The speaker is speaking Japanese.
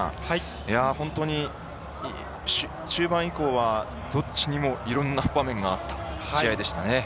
本当に中盤以降はどっちにもいろんな場面があった試合でしたね。